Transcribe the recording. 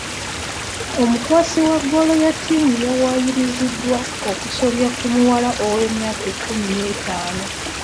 Omukwasi wa ggoolo ya ttiimu yawaayiriziddwa okusobya ku muwala w'emyaka ekkumi n'etaano.